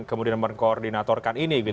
kemudian mengkoordinatorkan ini